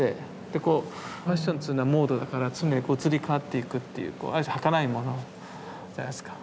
でこうファッションっていうのはモードだから常に移り変わっていくっていうある種はかないものじゃないですか。